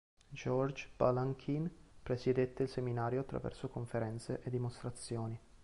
George Balanchine presiedette il seminario attraverso conferenze e dimostrazioni.